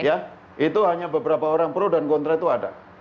ya itu hanya beberapa orang pro dan kontra itu ada